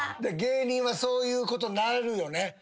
芸人はそういうことなるよね。